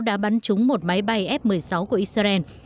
đã bắn trúng một máy bay f một mươi sáu của israel